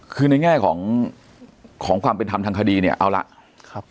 คือในแง่ของของความเป็นทำทางคดีเนี่ยเอาล่ะครับ